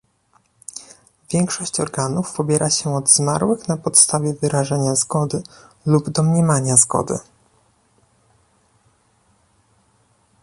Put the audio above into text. Większość organów pobiera się od zmarłych na podstawie wyrażenia zgody lub domniemania zgody